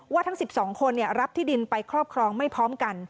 ทั้ง๑๒คนรับที่ดินไปครอบครองไม่พร้อมกัน